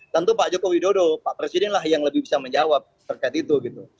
tentu pak jokowi dodo pak presiden lah yang lebih bisa menjawab terkait itu